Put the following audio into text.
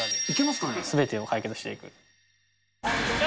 すべてを解決していく。